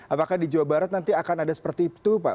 apakah di jawa barat nanti akan ada seperti itu pak